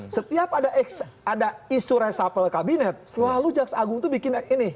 setiap ada isu resapel kabinet selalu jaksa agung itu bikin ini